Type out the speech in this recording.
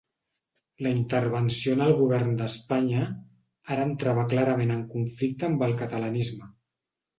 La intervenció en el govern d'Espanya ara entrava clarament en conflicte amb el catalanisme.